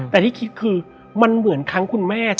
แต่ที่คิดคือมันเหมือนครั้งคุณแม่